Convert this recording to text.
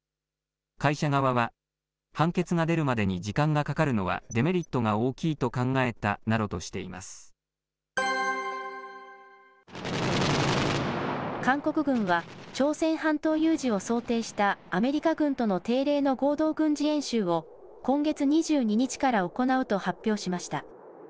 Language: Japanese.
会社側は、判決が出るまでに時間がかかるのはデメリットが大きい韓国軍は、朝鮮半島有事を想定したアメリカ軍との定例の合同軍事演習を、今月２２日から行うと発表しました。